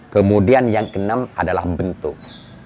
kemudian yang keenam adalah bentuk